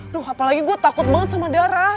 duh apalagi gue takut banget sama darah